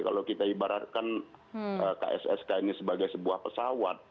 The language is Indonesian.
kalau kita ibaratkan kssk ini sebagai sebuah pesawat